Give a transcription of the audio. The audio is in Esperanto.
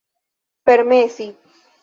permesi